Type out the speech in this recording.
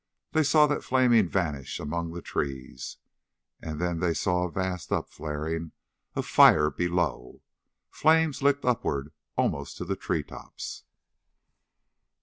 They saw that flaming vanish among the trees. And then they saw a vast upflaring of fire below. Flames licked upward almost to the tree tops....